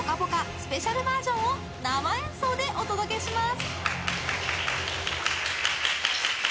スペシャルバージョンを生演奏でお届けします。